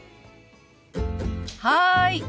はい。